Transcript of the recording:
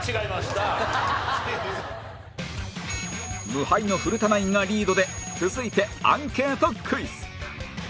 無敗の古田ナインがリードで続いてアンケートクイズ